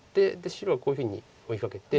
白はこういうふうに追いかけて。